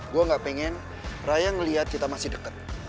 gue nggak pengen raya ngeliat kita masih deket